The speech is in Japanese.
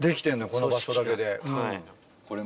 この場所だけで。